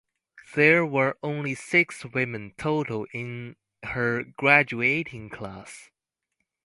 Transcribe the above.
There were only six women total in her graduating class.